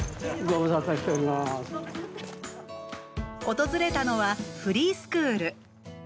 訪れたのはフリースクール。